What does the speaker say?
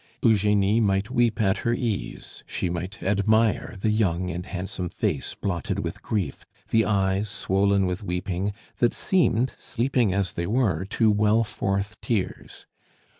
Eugenie might weep at her ease; she might admire the young and handsome face blotted with grief, the eyes swollen with weeping, that seemed, sleeping as they were, to well forth tears.